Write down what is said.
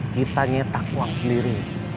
kita nyetak uang sendiri